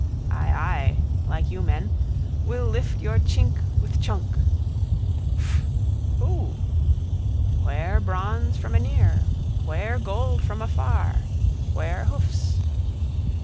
Ay, ay. Like you men. Will lift your tschink with tschunk. Fff! Oo! Where bronze from anear? Where gold from afar? Where hoofs?